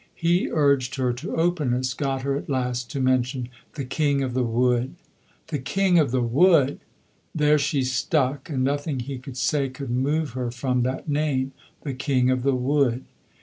He urged her to openness, got her at last to mention "The King of the Wood." The King of the Wood! There she stuck, and nothing he could say could move her from that name, The King of the Wood.